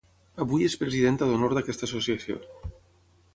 Avui és presidenta d’honor d’aquesta associació.